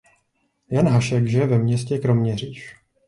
Jan Hašek žije ve městě Kroměříž.